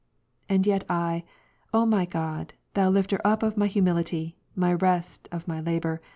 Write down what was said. And yet I, O my God, Thou lifter up of my humility, and rest of my labour.